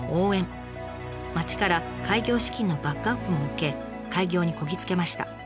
町から開業資金のバックアップも受け開業にこぎつけました。